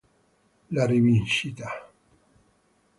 La rivincita